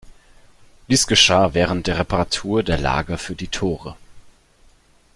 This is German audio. Dies geschah während der Reparatur der Lager für die Tore.